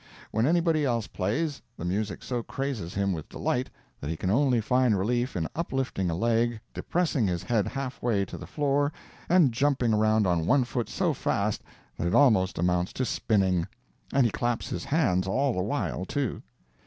When anybody else plays, the music so crazes him with delight that he can only find relief in uplifting a leg, depressing his head half way to the floor and jumping around on one foot so fast that it almost amounts to spinning—and he claps his hands all the while, too.